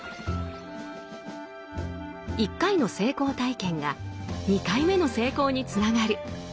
１回の成功体験が２回目の成功につながる。